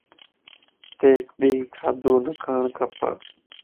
ٽيڪ ڏيئ کاڌو نھ کاڻ کپا